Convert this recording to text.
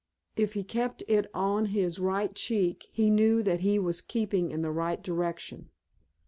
If he kept it on his right cheek he knew that he was keeping in the right direction.